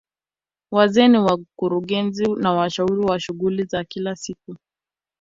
Wazee ni wakurugenzi na washauri wa shughuli za kila siku